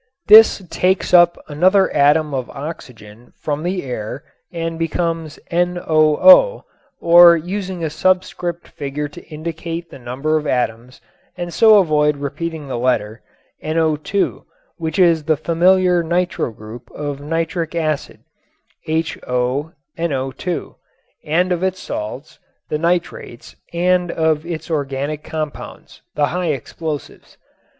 This takes up another atom of oxygen from the air and becomes NOO, or using a subscript figure to indicate the number of atoms and so avoid repeating the letter, NO_ which is the familiar nitro group of nitric acid (HO NO_) and of its salts, the nitrates, and of its organic compounds, the high explosives.